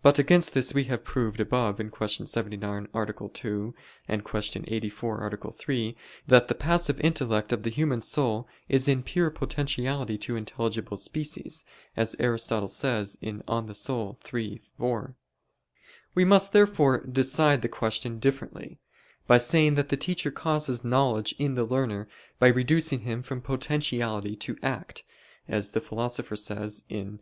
But against this we have proved above (Q. 79, A. 2; Q. 84, A. 3) that the passive intellect of the human soul is in pure potentiality to intelligible (species), as Aristotle says (De Anima iii, 4). We must therefore decide the question differently, by saying that the teacher causes knowledge in the learner, by reducing him from potentiality to act, as the Philosopher says (Phys.